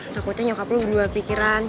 takutnya nyokap lo berdua pikiran